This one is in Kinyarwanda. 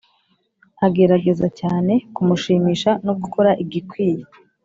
agerageza cyane kumushimisha no gukora igikwiye.